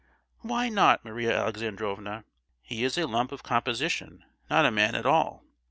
"Why not, Maria Alexandrovna? He is a lump of composition, not a man at all!